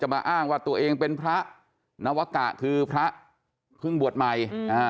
มาอ้างว่าตัวเองเป็นพระนวกะคือพระเพิ่งบวชใหม่